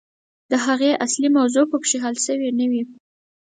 د هغې اصلي موضوع پکښې حل سوې نه وي.